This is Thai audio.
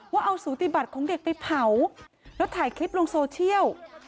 ว่าเอาสูติบัติของเด็กไปเผาแล้วถ่ายคลิปลงโซเชียล